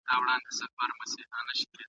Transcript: زه ادب لرم.